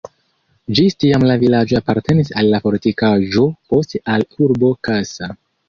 Ĝis tiam la vilaĝo apartenis al la fortikaĵo, poste al urbo Kassa.